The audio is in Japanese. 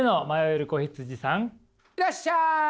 いらっしゃい！